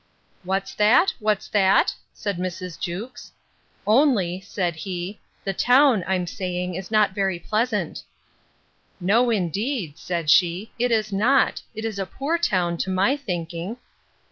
What's that? what's that? said Mrs. Jewkes.—Only, said he, the town, I'm saying, is not very pleasant. No, indeed, said she, it is not; it is a poor town, to my thinking.